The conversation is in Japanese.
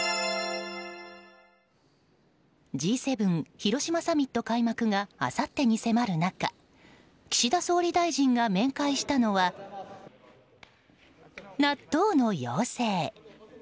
Ｇ７広島サミット開幕があさってに迫る中岸田総理大臣が面会したのは納豆の妖精。